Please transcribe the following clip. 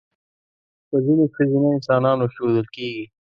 په ځینو ښځینه انسانانو اېښودل کېږي.